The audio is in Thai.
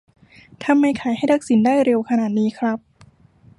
ทำไมขายให้ทักษิณได้เร็วขนาดนี้ครับ